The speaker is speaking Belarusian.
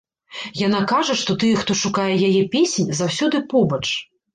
Яна кажа, што тыя, хто шукае яе песень, заўсёды побач.